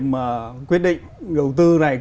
mà quyết định đầu tư này